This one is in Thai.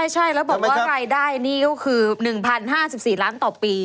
ใช่แล้วบอกว่ารายได้นี่ก็คือ๑๐๕๔ล้านต่อปี